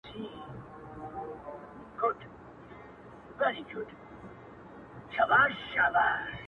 بیا په سراب کي جنتونه ښيي -